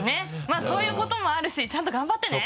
まぁそういうこともあるしちゃんと頑張ってね！